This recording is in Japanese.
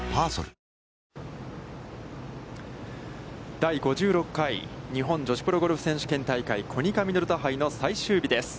第５６回日本女子プロゴルフ選手権大会コニカミノルタ杯の最終日です。